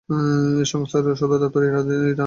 এই সংস্থার সদর দপ্তর ইরানের রাজধানী তেহরানে অবস্থিত।